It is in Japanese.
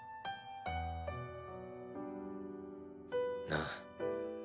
なあ。